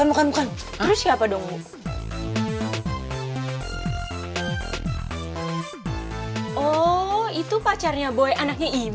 sun base dan mary juga ini